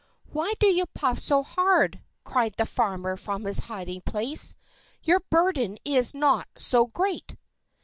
"Why do you puff so hard?" cried the farmer from his hiding place. "Your burden is not so great!"